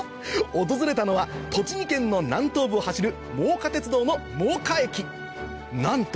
訪れたのは栃木県の南東部を走る真岡鐵道の真岡駅なんと